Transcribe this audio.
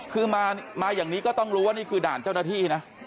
คือมาอย่างนี้ก็ต้องรู้ว่านี่คือด่านเจ้าหน้าที่นะ